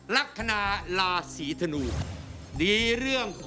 ลักษณาลาสีทะนู